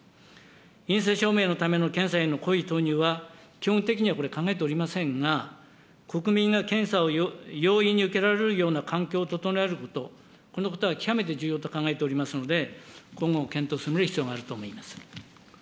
陰性証明のための検査への公費投入は、基本的には、これ、考えておりませんが、国民が検査を容易に受けられるような環境を整えること、このことは極めて重要と考えておりますので、今後、検討を進める必要があると思います。